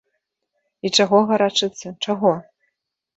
І чаго гарачыцца, чаго?